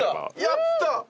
やった！